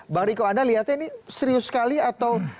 bang riko anda lihatnya ini serius sekali atau